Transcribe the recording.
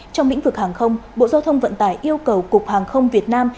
trong lĩnh vực hàng không bộ giao thông vận tải yêu cầu cục hàng không việt nam